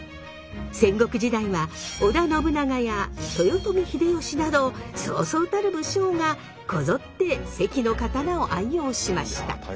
戦国時代は織田信長や豊臣秀吉などそうそうたる武将がこぞって関の刀を愛用しました。